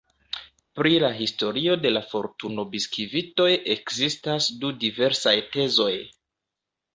Pri la historio de la fortuno-biskvitoj ekzistas du diversaj tezoj.